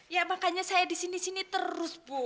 ya makanya saya disini sini terus bu